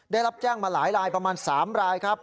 ได้รับแจ้งมาหลายรายประมาณ๓รายครับ